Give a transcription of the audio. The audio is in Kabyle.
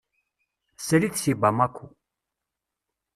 Srid seg Bamako.